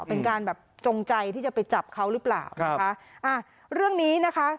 เป็นการแบบจงใจที่จะไปจับเขาหรือเปล่านะคะอ่าเรื่องนี้นะคะ